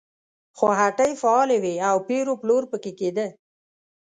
خو هټۍ فعالې وې او پېر و پلور پکې کېده.